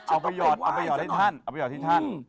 เอาไปหยอดที่ท่าน